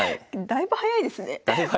だいぶ早いですね。